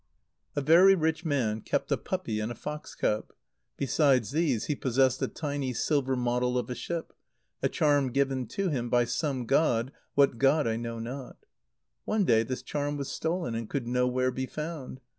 _ A very rich man kept a puppy and a fox cub. Besides these he possessed a tiny silver model of a ship, a charm given to him by some god, what god I know not. One day this charm was stolen, and could nowhere be found.